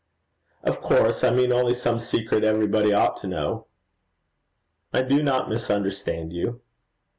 'Of course I mean only some secret everybody ought to know.' 'I do not misunderstand you.'